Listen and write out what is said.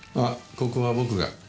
あここは僕が。